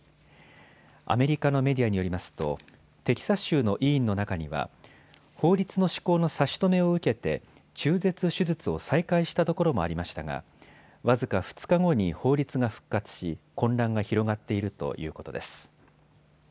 アメリカのメディアによりますとテキサス州の医院の中には法律の施行の差し止めを受けて中絶手術を再開したところもありましたが僅か２日後に法律が復活し混乱が広がっているということです。